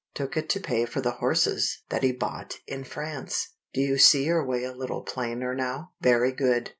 Took it to pay for the horses that he bought in France! Do you see your way a little plainer now? Very good.